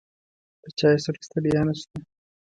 له چای سره ستړیا نشته.